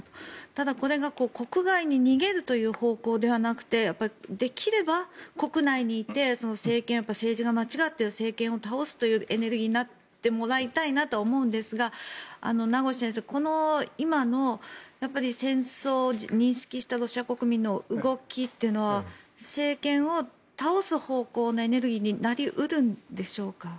ただ、これが国外に逃げるという方向ではなくてできれば国内にいて政治が間違っている政権を倒すというエネルギーになってもらいたいなと思うんですが名越先生、今の戦争を認識したロシア国民の動きというのは政権を倒す方向のエネルギーになり得るんでしょうか。